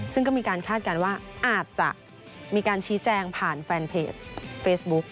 ซึ่งก็มีการคาดการณ์ว่าอาจจะมีการชี้แจงผ่านแฟนเพจเฟซบุ๊ก